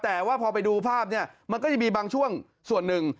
แต่ว่าพอไปดูภาพเนี่ยมันก็จะมีบางช่วงส่วนหนึ่ง